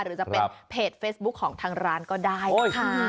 หรือจะเป็นเพจเฟซบุ๊คของทางร้านก็ได้นะคะ